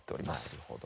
なるほど。